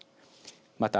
また。